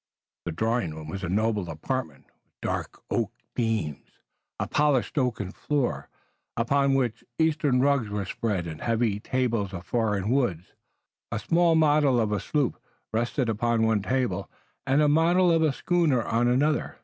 The drawing room was a noble apartment, with dark oaken beams, a polished oaken floor, upon which eastern rugs were spread, and heavy tables of foreign woods. A small model of a sloop rested upon one table and a model of a schooner on another.